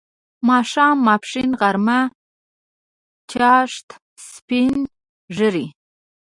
ماښام، ماپښین، غرمه، چاښت، سپین ږیری